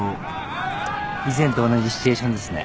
以前と同じシチュエーションですね。